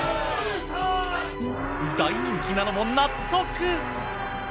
大人気なのも納得。